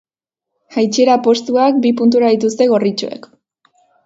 Jaitsiera-postuak bi puntura dituzte gorritxoek.